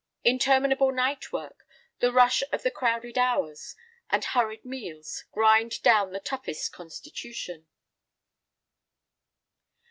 Interminable night work, the rush of the crowded hours, and hurried meals, grind down the toughest constitution.